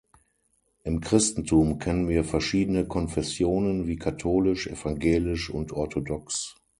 Im Christentum kennen wir verschiedene Konfessionen wie katholisch, evangelisch und orthodox.